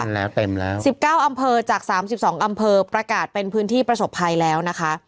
เต็มแล้วเต็มแล้วสิบเก้าอำเภอจากสามสิบสองอำเภอประกาศเป็นพื้นที่ประสบภัยแล้วนะคะ